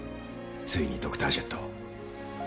ついにドクタージェットを。